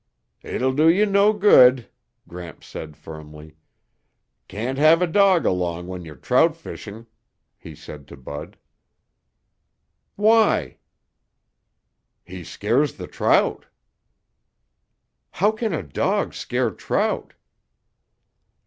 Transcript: "It'll do you no good," Gramps said firmly. "Can't have a dog along when you're trout fishing," he said to Bud. "Why?" "He scares the trout." "How can a dog scare trout?"